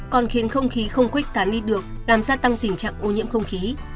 còn khiến không khí không khuếch tán đi được làm gia tăng tình trạng ô nhiễm không khí